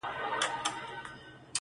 هغه ښايسته بنگړى په وينو ســـور دى